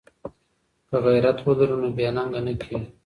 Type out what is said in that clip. که غیرت ولرو نو بې ننګه نه کیږو.